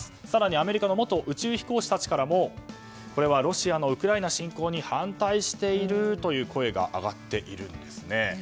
更にアメリカの元宇宙飛行士たちからもこれはロシアのウクライナ侵攻に反対しているという声が上がっているんですね。